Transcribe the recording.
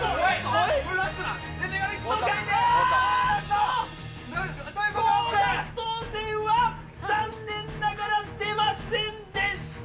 高額当せんは残念ながらきていませんでした。